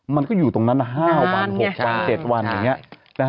มันก็อยู่ตรงนั้น๕วัน๖วัน๗วัน